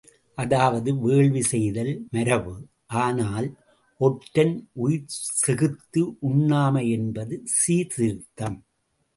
அதாவது வேள்வி செய்தல் மரபு, ஆனால், ஒன்றன் உயிர்செகுத்து உண்ணாமை என்பது சீர்திருத்தம்.